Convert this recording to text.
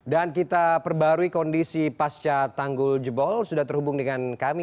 dan kita perbarui kondisi pasca tanggul jebol sudah terhubung dengan kami